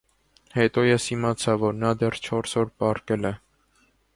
Հետո ես իմացա , որ նա դեռ չորս օր պառկել է: